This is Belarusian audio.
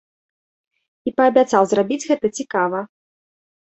І паабяцаў зрабіць гэта цікава.